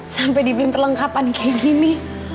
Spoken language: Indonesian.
sampai diberi perlengkapan kayak gini